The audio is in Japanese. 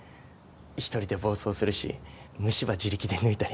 ひとりで暴走するし虫歯自力で抜いたり